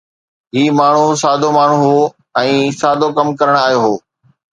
هي ماڻهو سادو ماڻهو هو ۽ سادو ڪم ڪرڻ آيو هو